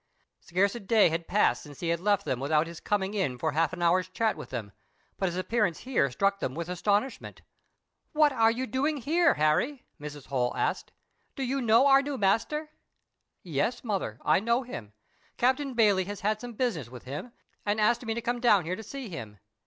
Scarce a day had passed since he had left them without his coming in for half an hour's chat with them, but his appearance here struck them with astonishment. "What are you doing here, Harry?" Mrs. Holl asked. "Do you know our new master?" "Yes, mother, I know him. Captain Bayley has had some business with him, and asked me to come down here to see him.